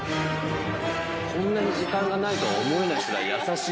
こんなに時間がないとは思えないくらい。